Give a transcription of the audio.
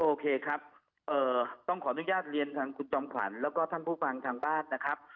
โอเคครับต้องขออนุญาตเรียนทางคุณจอมขวัญแล้วก็ท่านผู้ฟังทางบ้านนะครับ